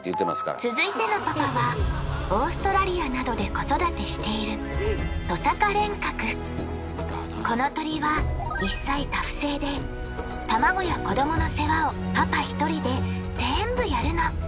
続いてのパパはオーストラリアなどで子育てしているこの鳥は一妻多夫制でタマゴや子どもの世話をパパひとりで全部やるの。